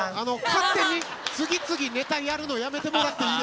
勝手に次々ネタやるのやめてもらっていいでしょうか。